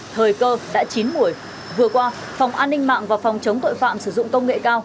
thời cơ đã chín buổi vừa qua phòng an ninh mạng và phòng chống tội phạm sử dụng công nghệ cao